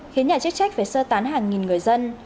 khiến nhà chức trách phải sơ tán hàng nghìn người dân